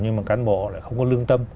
nhưng mà cán bộ lại không có lương tâm